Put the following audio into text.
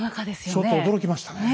ちょっと驚きましたね。